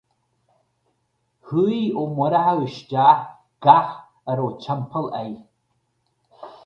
Shúigh Ó Murchú isteach gach a raibh timpeall air.